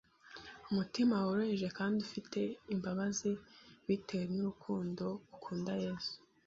Umutima woroheje kandi ufite imbabazi bitewe n’urukundo ukunda Yesu